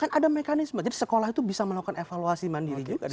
kan ada mekanisme jadi sekolah itu bisa melakukan evaluasi mandiri juga